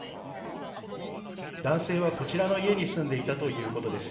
男性はこちらの家に住んでいたということです。